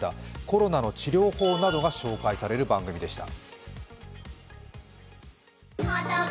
コロナの治療法などが紹介される番組でした。